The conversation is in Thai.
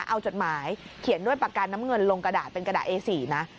เอาจดหมายเขียนด้วยปากกาน้ำเงินลงกระดาษเป็นกระดาษเอสีนะ